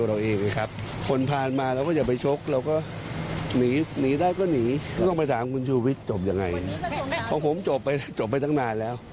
โดยคุณอนุทินยืนยันว่าไม่ได้กันแกล้งมีงานอื่นที่ต้องทำอีกตั้งเยอะตั้งแยะ